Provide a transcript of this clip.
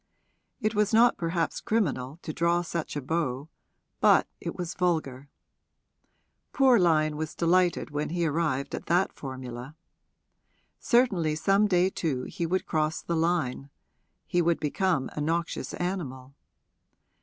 It was not perhaps criminal to draw such a bow, but it was vulgar: poor Lyon was delighted when he arrived at that formula. Certainly some day too he would cross the line he would become a noxious animal.